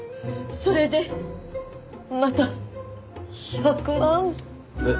それでまた１００万。